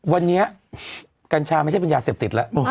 วันนี้กัญชาไม่ใช่เป็นยาเสพติดแล้ว